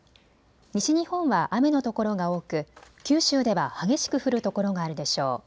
西日本は雨のところが多く九州では激しく降る所があるでしょう。